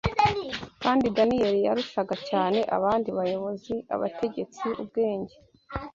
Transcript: Kandi Daniyeli yarushaga cyane abandi bayobozi abategetsi ubwenge